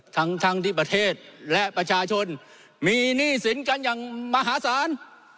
ทั้งทั้งที่ประเทศและประชาชนมีหนี้สินกันอย่างมหาศาล